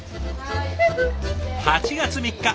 ８月３日。